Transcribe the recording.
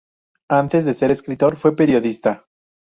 Antes de ser escritor, fue periodista.